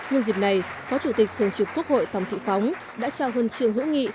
nhân dịp này phó chủ tịch thường trực quốc hội tòng thị phóng đã trao huân trường hữu nghị